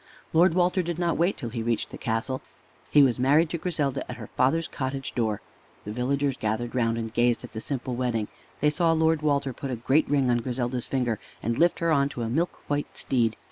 Lord Walter did not wait till he reached the castle. He was married to Griselda at her father's cottage door. The villagers gathered round and gazed at the simple wedding. They saw Lord Walter put a great ring on Griselda's finger, and lift her on to a milk white steed.